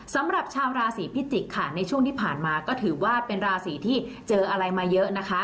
สำหรับชาวราศีพิจิกษ์ค่ะในช่วงที่ผ่านมาก็ถือว่าเป็นราศีที่เจออะไรมาเยอะนะคะ